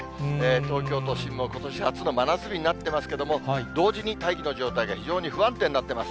東京都心も、ことし初の真夏日になっていますけれども、同時に大気の状態が非常に不安定になってます。